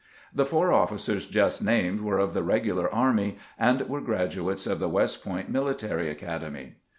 The four officers just named were of the regular grant's personal staff 33 army, and were graduates of the West Point Military Academy.